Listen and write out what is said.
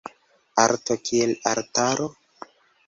Arto kiel altaro?